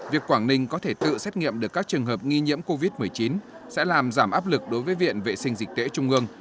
việc quảng ninh có thể tự xét nghiệm được các trường hợp nghi nhiễm covid một mươi chín sẽ làm giảm áp lực đối với viện vệ sinh dịch tễ trung ương